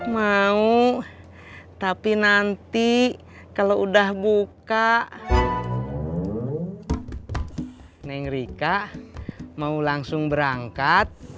mau langsung berangkat